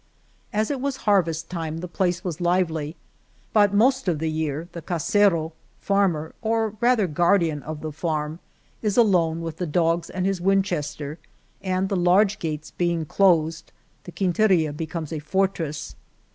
As it was harvest time the place was lively, but most of the year the casero (farm er, or rather guardian of the farm) is alone with the dogs and his Winchester, and the large gates being closed, the quinteria be comes a fortress.